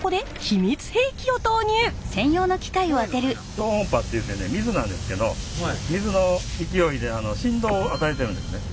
超音波っていうてね水なんですけど水の勢いで振動を与えてるんですね。